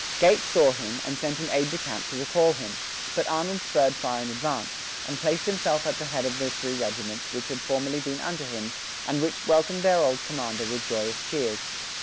Gates saw him, and sent an aide de camp to recall him; but Arnold spurred far in advance, and placed himself at the head of three regiments which had formerly been under him, and which welcomed their old commander with joyous cheers.